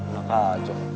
jangan soal lupa